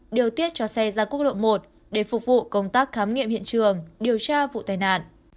điều tiết cho xe ra quốc lộ một để phục vụ công tác khám nghiệm hiện trường điều tra vụ tai nạn